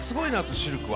シルクは。